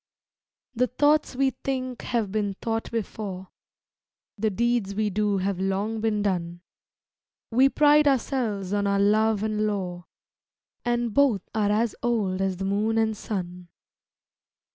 The thoughts we think have been thought before; The deeds we do have long been done; We pride ourselves on our love and lore And both are as old as the moon and sun.